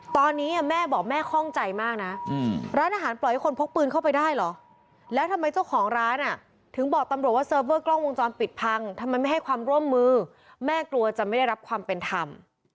ตอนนี้แม่บอกแม่คล่องใจมากนะร้านอาหารปล่อยให้คนพกปืนเข้าไปได้เหรอแล้วทำไมเจ้าของร้านอ่ะถึงบอกตำรวจว่าเซิร์ฟเวอร์กล้องวงจรปิดพังทำไมไม่ให้ความร่วมมือแม่กลัวจะไม่ได้รับความเป็นธรรม